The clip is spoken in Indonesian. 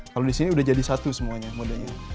kalau di sini sudah jadi satu semuanya mode nya